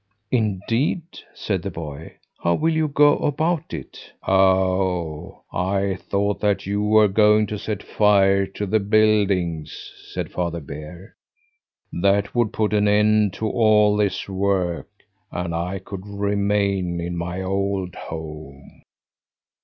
"Indeed!" said the boy. "How will you go about it?" "Oh, I thought that you were going to set fire to the buildings!" said Father Bear. "That would put an end to all this work, and I could remain in my old home."